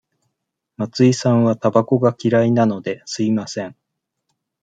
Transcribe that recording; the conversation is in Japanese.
松井さんはたばこが嫌いなので、吸いません。